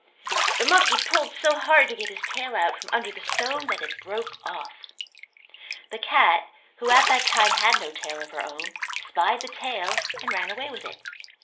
The monkey pulled so hard to get his tail out from under the stone that it broke off. The cat, who at that time had no tail of her own, spied the tail and ran away with it.